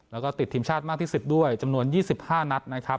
แล้วก็ติดทีมชาติมากที่สิบด้วยจำนวนยี่สิบห้านัดนะครับ